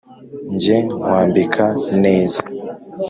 Njye nkwambika neza